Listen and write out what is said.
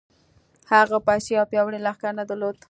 هغه پيسې او پياوړی لښکر نه درلود.